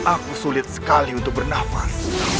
aku sulit sekali untuk bernafas